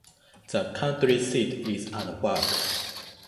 The county seat is Anahuac.